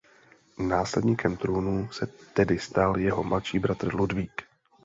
Následníkem trůnu se tedy stal jeho mladší bratr Ludvík.